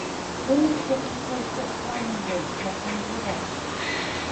Many technical free climbing routes have been put up.